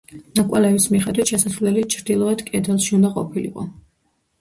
ნაკვალევის მიხედვით შესასვლელი ჩრდილოეთ კედელში უნდა ყოფილიყო.